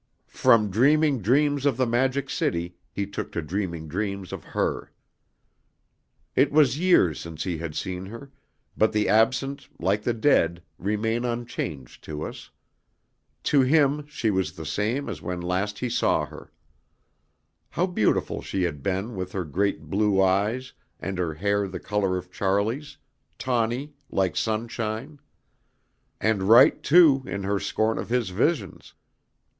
From dreaming dreams of the Magic City he took to dreaming dreams of her. It was years since he had seen her, but the absent, like the dead, remain unchanged to us. To him she was the same as when last he saw her. How beautiful she had been with her great blue eyes and her hair the color of Charlie's, tawny, like sunshine! And right, too, in her scorn of his visions.